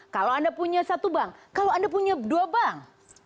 kalau anda punya satu bank kalau anda punya dua bank